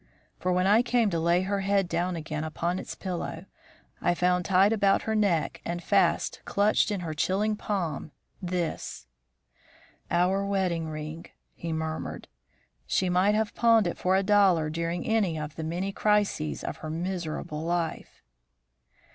For when I came to lay her head down again upon its pillow, I found tied about her neck and fast clutched in her chilling palm, this. "Our wedding ring," he murmured. "She might have pawned it for a dollar during any of the many crises of her miserable life."